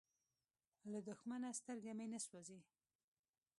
له دښمنه سترګه مې نه سوزي.